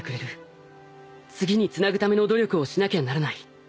次につなぐための努力をしなきゃならない。